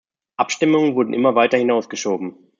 Abstimmungen wurden immer weiter hinausgeschoben.